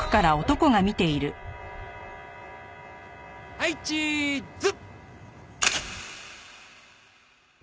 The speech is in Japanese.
はいチーズ！